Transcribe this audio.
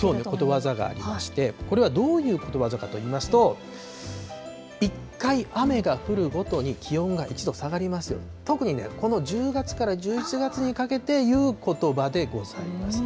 ことわざがありまして、これはどういうことわざかといいますと、１回雨が降るごとに気温が１度下がりますよ、特にこの１０月から１１月にかけて言うことばでございます。